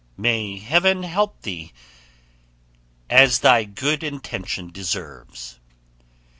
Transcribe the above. May heaven help thee as thy good intention deserves."